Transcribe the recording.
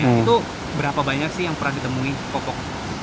itu berapa banyak sih yang pernah ditemui popok